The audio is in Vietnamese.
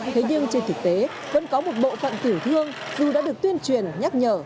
thế nhưng trên thực tế vẫn có một bộ phận tiểu thương dù đã được tuyên truyền nhắc nhở